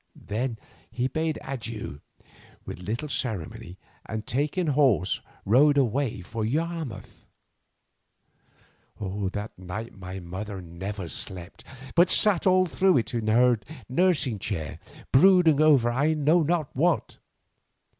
Then he bade him adieu with little ceremony, and taking horse rode away for Yarmouth. That night my mother never slept, but sat all through it in her nursing chair, brooding over I know not what.